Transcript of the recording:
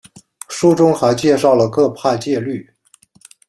书中还介绍了各派戒律。